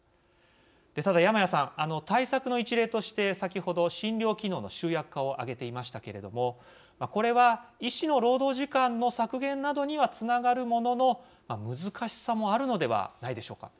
ただ山屋さん対策の一例として先ほど診療機能の集約化を挙げていましたけどもこれは医師の労働時間の削減などにはつながるものの難しさもあるのではないでしょうか。